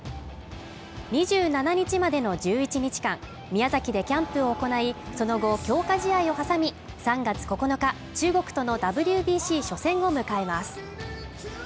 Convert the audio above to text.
２７日までの１１日間宮崎でキャンプを行いその後強化試合を挟み３月９日中国とのＷＢＣ初戦を迎えます